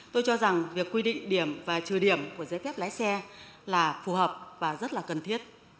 tôi cho rằng việc quy định điểm và trừ điểm của giấy phép lái xe là phù hợp và rất là cần thiết